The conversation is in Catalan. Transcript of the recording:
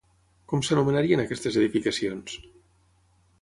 Com s'anomenarien aquestes edificacions?